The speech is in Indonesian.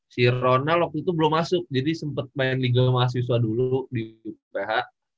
si ronald waktu itu belum masuk jadi sempet main liga mahasiswa dulu di uph